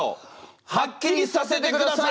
はっきりさせてください！